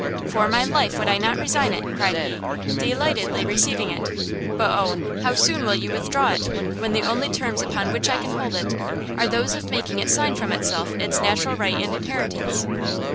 "For my life would I not resign it!" cried he, delightedly receiving it; "but oh, how soon will you withdraw it, when the only terms upon which I can hold it, are those of making it sign from itself its natural right and inheritance?"